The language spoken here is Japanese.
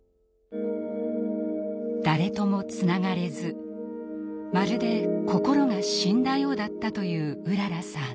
誰ともつながれずまるで心が死んだようだったといううららさん。